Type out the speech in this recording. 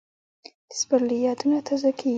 د سپرلي یادونه تازه کېږي